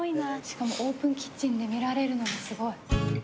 しかもオープンキッチンで見られるのがすごい。